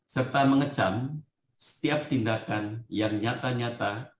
serta mengecam setiap tindakan yang nyata nyata